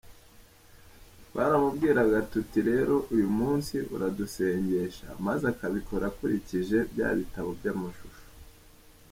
Twaramubwiraga tuti rero uyu munsi uradusengesha maze akabikora akurikije bya bitabo by’amashusho.